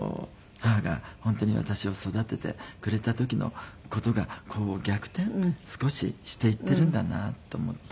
母が本当に私を育ててくれた時の事が逆転少ししていっているんだなと思って。